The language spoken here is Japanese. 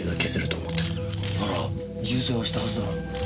なら銃声はしたはずだな。